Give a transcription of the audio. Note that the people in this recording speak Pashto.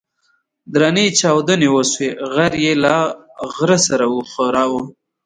درنې چاودنې وسوې غر يې له غره سره وښوراوه.